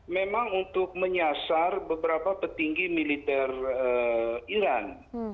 memang untuk menyasar beberapa petinggi militer iran